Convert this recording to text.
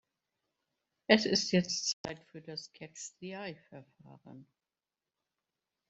Es ist jetzt Zeit für das "Catch-the-Eye"Verfahren.